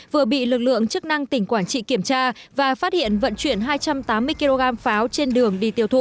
vừa bị lực lượng chức năng tỉnh quảng trị kiểm tra và phát hiện vận chuyển hai trăm tám mươi kg pháo trên đường đi tiêu thụ